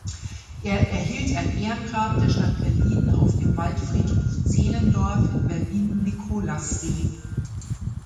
Er erhielt ein Ehrengrab der Stadt Berlin auf dem Waldfriedhof Zehlendorf in Berlin-Nikolassee.